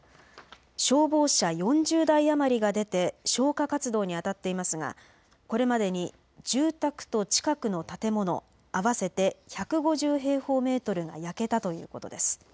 消防車４０台余りが出て消火活動にあたっていますがこれまでに住宅と近くの建物合わせて１５０平方メートルが焼けたということです。